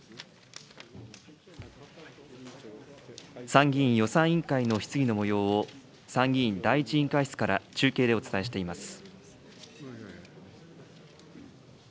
参議院予算委員会の質疑のもようを、参議院第１委員会室から中継でお伝えしています。